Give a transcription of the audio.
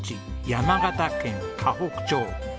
山形県河北町。